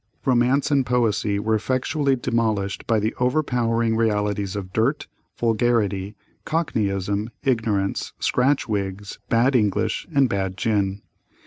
Romance and poesy were effectually demolished by the overpowering realities of dirt, vulgarity, cockneyism, ignorance, scratch wigs, bad English, and bad gin.